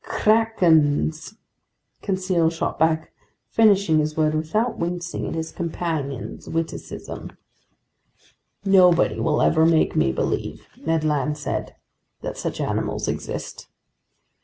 "Krakens!" Conseil shot back, finishing his word without wincing at his companion's witticism. "Nobody will ever make me believe," Ned Land said, "that such animals exist."